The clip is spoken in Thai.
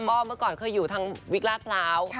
ก็เมื่อก่อนเคยอยู่ทางวิกลาดพร้าว